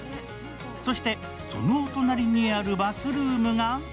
そして、そのお隣にあるバスルームが。